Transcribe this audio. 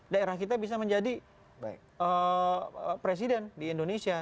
daerah kita bisa menjadi presiden di indonesia